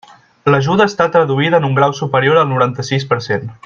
L'ajuda està traduïda en un grau superior al noranta-sis per cent.